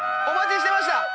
お待ちしてました。